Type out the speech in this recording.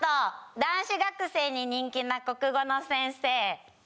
「男子学生に人気な国語の先生」